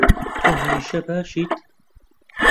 تۆ هەمیشە باشیت.